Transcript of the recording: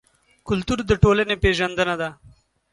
کلتور د ټولنې پېژندنه ده.